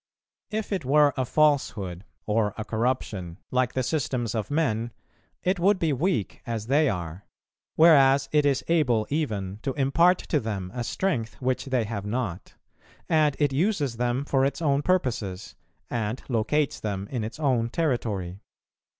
If it were a falsehood, or a corruption, like the systems of men, it would be weak as they are; whereas it is able even to impart to them a strength which they have not, and it uses them for its own purposes, and locates them in its own territory.